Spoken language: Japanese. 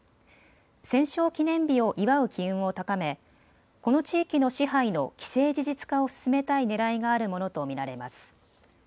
戦勝記念日を祝う機運を高め、この地域の支配の既成事実化を進めたいねらいがあるものと見られます。